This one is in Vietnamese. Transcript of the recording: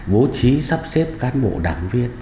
vô trí sắp xếp cán bộ đảng viên